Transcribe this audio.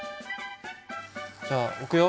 じゃあ置くよ。